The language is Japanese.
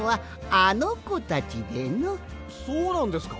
そうなんですか？